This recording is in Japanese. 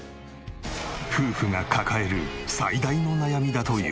夫婦が抱える最大の悩みだという。